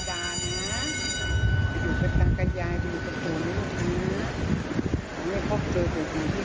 ใบส่วนหน้าให้เบิ้มเลี้ยงสวนของแม่